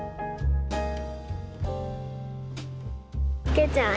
啓ちゃん